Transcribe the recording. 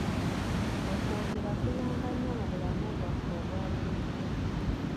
Okwogera kuyamba nnyo mu bulamu bwaffe obwa bulijjo.